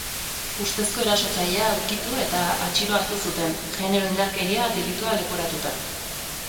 Ustezko erasotzailea aurkitu eta atxilo hartu zuten, genero indarkeria delituta leporatuta.